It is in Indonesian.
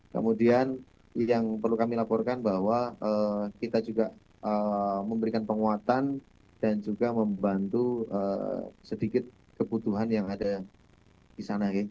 kemudian yang perlu kami laporkan bahwa kita juga memberikan penguatan dan juga membantu sedikit kebutuhan yang ada di sana